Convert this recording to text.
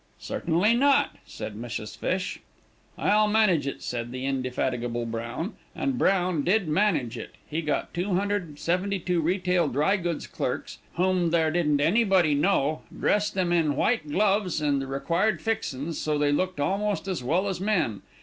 "'Certainly not,' said Mrs. Fishe. "'I'll manage it,' said the indefatigable Brown and Brown did manage it. He got 272 retail drygoods clerks, whom there didn't anybody know, dressed them in white gloves and the required fixens, so they looked almost as well as men.